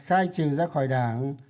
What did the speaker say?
khai trường ra khỏi đảng